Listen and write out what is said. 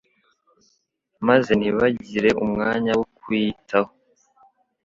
maze ntibagire umwanya wo kuyitaho